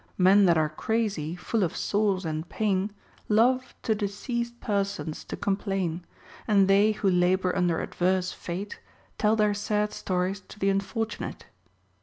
Men that are crazy, full of sores and pain, Love to diseased persons to complain. And they who lahor under adverse fate, Tell their sad stories to th' unfortunate.